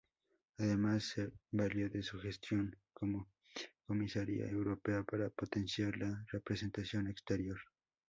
Además se valió de su gestión como Comisaria Europea para potenciar la representación exterior.